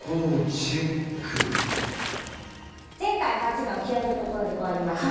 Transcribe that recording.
前回８の気合いのところで終わりました。